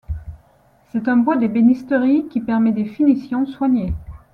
C'est un bois d'ébénisterie qui permet des finitions soignées.